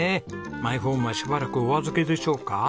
マイホームはしばらくお預けでしょうか？